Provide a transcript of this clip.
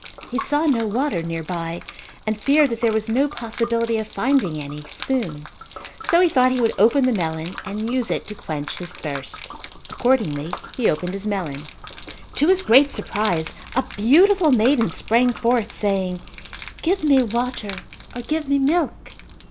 He saw no water nearby and feared that there was no possibility of finding any soon, so he thought he would open the melon and use it to quench his thirst. Accordingly he opened his melon. To his great surprise, a beautiful maiden sprang forth saying, "Give me water or give me milk."